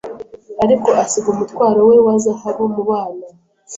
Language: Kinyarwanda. ariko asiga umutwaro we wa zahabu mubana